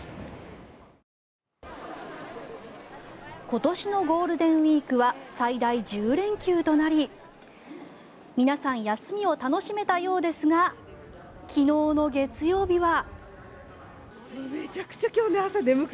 今年のゴールデンウィークは最大１０連休となり皆さん休みを楽しめたようですが昨日の月曜日は。